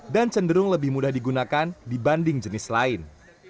dan cenderung lebih mudah digunakan dibanding jenis lain